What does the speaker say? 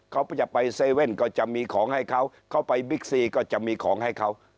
เขาจะไปเซเว่นก็จะมีของให้เขาเขาไปบิ๊กซีก็จะมีของให้เขา